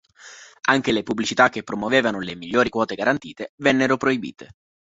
Anche le pubblicità che promuovevano le "migliori quote garantite" vennero proibite.